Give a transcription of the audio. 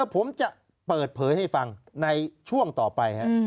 ผมจะเปิดเผยให้ฟังในช่วงต่อไป